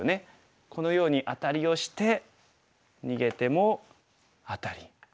このようにアタリをして逃げてもアタリ。